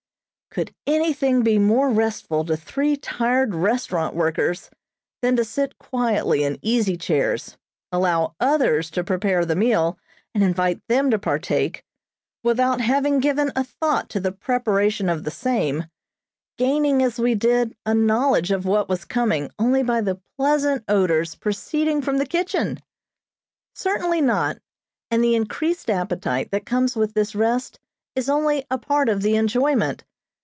Could anything be more restful to three tired restaurant workers than to sit quietly in easy chairs, allow others to prepare the meal and invite them to partake, without having given a thought to the preparation of the same, gaining, as we did, a knowledge of what was coming only by the pleasant odors proceeding from the kitchen? Certainly not, and the increased appetite that comes with this rest is only a part of the enjoyment.